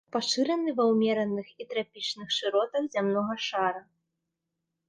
Пашыраны ва ўмераных і трапічных шыротах зямнога шара.